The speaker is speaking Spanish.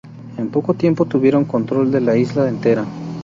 En poco tiempo tuvieron control de la isla entera.